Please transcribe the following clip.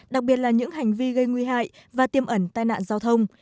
đặc biệt là những hành vi gây nguy hại và tiêm ẩn tai nạn giao thông